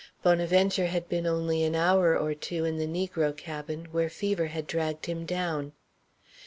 Bonaventure had been only an hour or two in the negro cabin where fever had dragged him down.